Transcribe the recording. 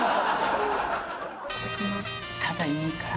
ただいいから。